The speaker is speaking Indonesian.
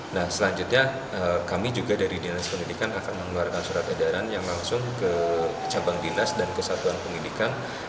nah selanjutnya kami juga dari dinas pendidikan akan mengeluarkan surat edaran yang langsung ke cabang dinas dan kesatuan pendidikan